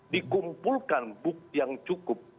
dikumpulkan bukti yang cukup